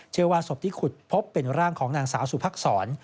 เชื่อว่าศพที่ขุดพบเป็นร่างของนางสาวสุภักษร